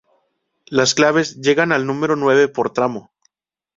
Las claves llegan al número nueve por tramo.